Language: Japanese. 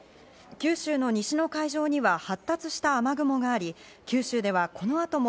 九州の西の海上には発達した雨雲があり、九州ではこの後も